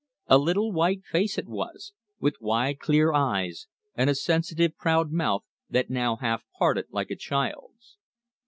A little white face it was, with wide clear eyes and a sensitive, proud mouth that now half parted like a child's.